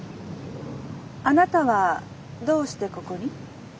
あなたはどうしてここに？